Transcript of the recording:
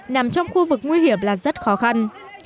nằm trong khu vực nguy hiểm là rất khó khăn